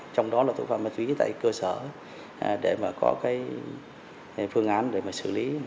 trong đó là tội phạm ma túy tại cơ sở để có phương án để xử lý